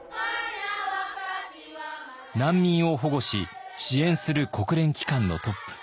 難民を保護し支援する国連機関のトップ